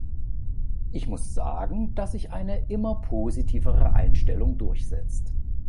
Ich muss sagen, dass sich eine immer positivere Einstellung durchsetzt.